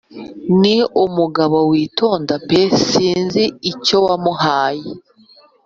Ni umugabo witonda pe sinzi icyo wamuhaye